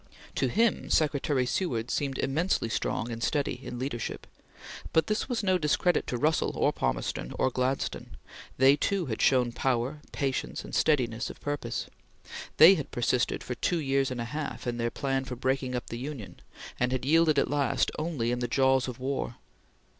To him Secretary Seward seemed immensely strong and steady in leadership; but this was no discredit to Russell or Palmerston or Gladstone. They, too, had shown power, patience and steadiness of purpose. They had persisted for two years and a half in their plan for breaking up the Union, and had yielded at last only in the jaws of war.